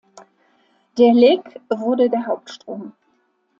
Der Lek wurde der Hauptstrom.